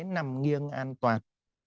nằm nghiêng an toàn